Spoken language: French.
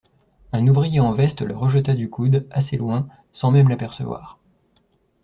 Un ouvrier en veste le rejeta du coude, assez loin, sans même l'apercevoir.